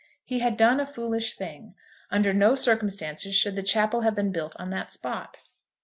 He had done a foolish thing. Under no circumstances should the chapel have been built on that spot.